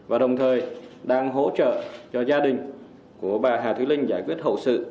và đồng thời đang hỗ trợ cho gia đình của bà hà thúy linh giải quyết hậu sự